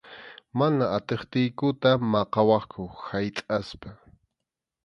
Mana atiptiykuta maqawaqku haytʼaspa.